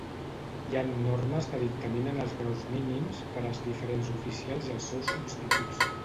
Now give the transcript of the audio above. Hi han normes que dictaminen els graus mínims per als diferents oficials i els seus substituts.